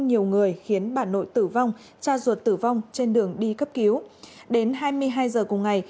nhiều người khiến bà nội tử vong cha ruột tử vong trên đường đi cấp cứu đến hai mươi hai giờ cùng ngày